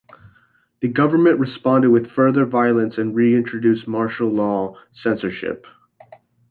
The government responded with further violence and reintroduced martial law censorship.